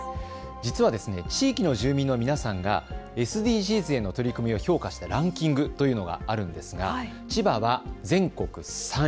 実は地域の住民の皆さんがＳＤＧｓへの取り組みを評価したランキングというのがあるんですが千葉は全国３位。